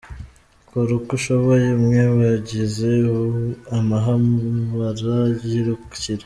Kora uko ushoboye umwibagize amahabara yirukira.